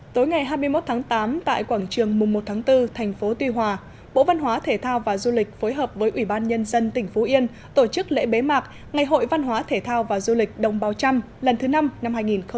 tối ngày hai mươi một tháng tám tại quảng trường mùng một tháng bốn thành phố tuy hòa bộ văn hóa thể thao và du lịch phối hợp với ủy ban nhân dân tỉnh phú yên tổ chức lễ bế mạc ngày hội văn hóa thể thao và du lịch đồng bào trăm lần thứ năm năm hai nghìn hai mươi